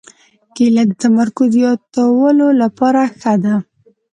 کېله د تمرکز زیاتولو لپاره ښه ده.